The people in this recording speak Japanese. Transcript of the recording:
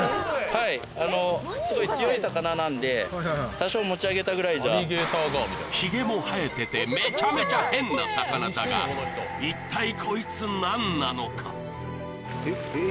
多少持ち上げたぐらいじゃヒゲも生えててめちゃめちゃ変な魚だが一体こいつ何なのか？